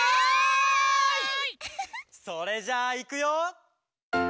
「それじゃあいくよ」